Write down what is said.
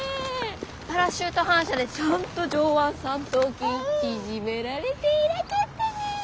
パラシュート反射でちゃんと上腕三頭筋縮められて偉かったね。